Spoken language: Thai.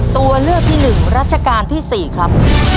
ตัวเลือกที่หนึ่งรัชกาลที่สี่ครับ